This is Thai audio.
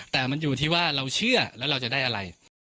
แต่มันอยู่ที่ว่าเราเชื่อแล้วเราจะได้อะไร